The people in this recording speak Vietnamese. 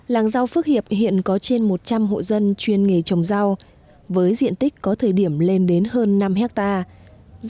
làng rau phước hiệp hiện có trên một trăm linh hộ dân chuyên nghề trồng rau với diện tích có thời điểm lên đến hơn năm hectare